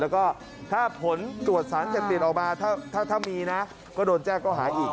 แล้วก็ถ้าผลตรวจสารเสพติดออกมาถ้ามีนะก็โดนแจ้งก็หาอีก